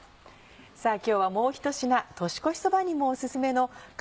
今日はもうひと品年越しそばにもおすすめの鴨